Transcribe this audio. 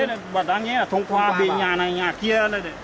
nó bảo đáng nghĩa là thông qua bên nhà này nhà kia